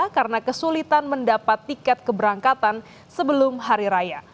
karena kesulitan mendapat tiket keberangkatan sebelum hari raya